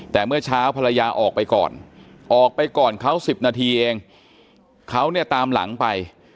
แต่เมื่อเช้าภรรยาออกไปก่อนออกไปก่อนเขา๑๐นาทีเองเขาเนี่ยตามหลังไป